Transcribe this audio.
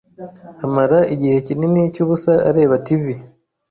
amara igihe kinini cyubusa areba TV.